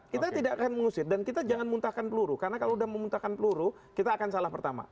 kita tidak akan mengusir dan kita jangan muntahkan peluru karena kalau sudah memuntahkan peluru kita akan salah pertama